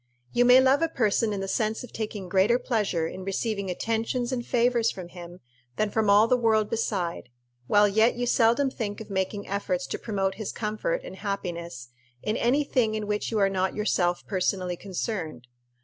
You may love a person in the sense of taking greater pleasure in receiving attentions and favors from him than from all the world beside, while yet you seldom think of making efforts to promote his comfort and happiness in any thing in which you are not yourself personally concerned.